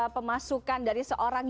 pemasukan dari seorang